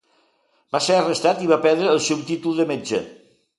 Va ser arrestat i va perdre el seu títol de metge.